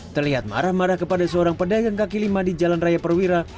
terlihat marah marah kepada seorang pedagang kaki lima di jalan raya perwira